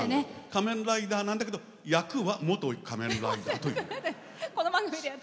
仮面ライダーなんだけど役は元仮面ライダーという。